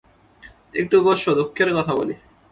একটু বোসো, দুঃখের কথা বলি।